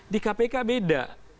di kpk beda